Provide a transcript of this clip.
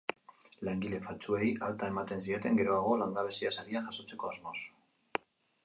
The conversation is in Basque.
Langile faltsuei alta ematen zieten, geroago, langabezia saria jasotzeko asmoz.